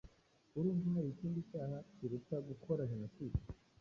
urumva hari ikindi cyaha kiruta gukora jenoside?